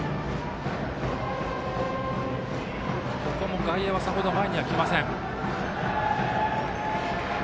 ここも外野はさほど前にはきません。